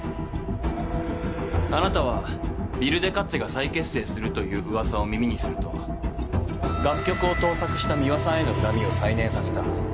あなたはＷＩＬＤＥＫＡＴＺＥが再結成するという噂を耳にすると楽曲を盗作した美和さんへの恨みを再燃させた。